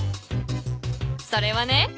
それはね